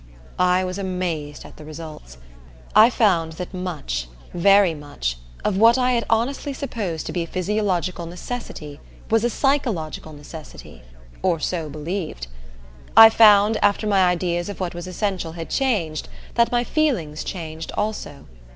I was amazed at the results. I found that much, very much, of what I had honestly supposed to be a physiological necessity was a psychological necessity or so believed. I found, after my ideas of what was essential had changed, that my feelings changed also.